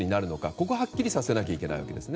ここをはっきりさせなきゃいけないわけです。